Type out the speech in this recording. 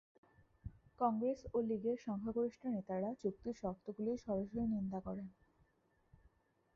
কংগ্রেস ও লীগের সংখ্যাগরিষ্ঠ নেতারা চুক্তির শর্তগুলির সরাসরি নিন্দা করেন।